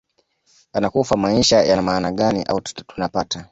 anakufa maisha yana maana gani au tunapata